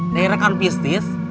dari rekan pistis